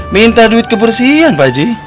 minta duit kebersihan baji